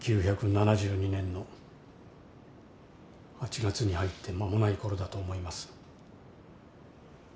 １９７２年の８月に入って間もない頃だと思います。